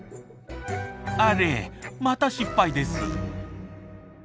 あれまた失敗です。